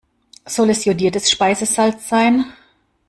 Soll es jodiertes Speisesalz sein?